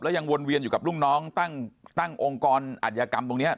ยังวนเวียนอยู่กับลูกน้องตั้งองค์กรอัธยกรรมตรงนี้